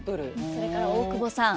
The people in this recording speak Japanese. それから大久保さん